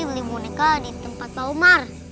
beli monika di tempat pak umar